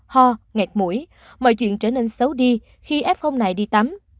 ho ngạt mũi mọi chuyện trở nên xấu đi khi f này đi tắm